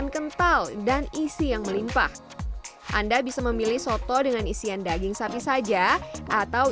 kental dan isi yang melimpah anda bisa memilih soto dengan isian daging sapi saja atau